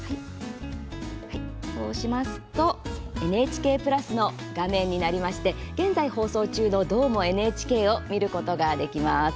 そうしますとＮＨＫプラスの画面になりまして現在放送中の「どーも、ＮＨＫ」を見ることができます。